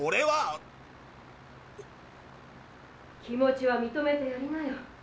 気持ちは認めてやりなよ。